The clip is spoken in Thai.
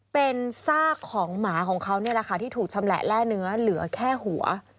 เป็นซากของหมาของเขานี่แหละค่ะที่ถูกชำแหละแร่เนื้อเหลือแค่หัว